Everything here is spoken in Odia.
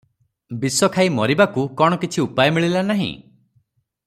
ବିଷଖାଇ ମରିବାକୁ କଣ କିଛି ଉପାୟ ମିଳିଲା ନାହିଁ?